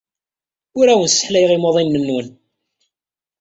Ur awen-sseḥlayeɣ imuḍinen-nwen.